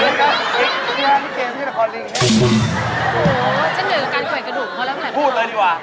โหจะเหนื่อยกับการเว้ยกระดูกเค้าแล้ว